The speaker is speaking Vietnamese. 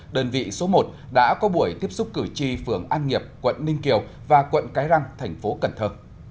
đơn vị số một đã có buổi tiếp xúc cử tri phường an nghiệp quận ninh kiều và quận cái răng thành phố cần thơ